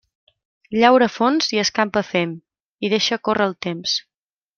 Llaura fons i escampa fem, i deixa córrer el temps.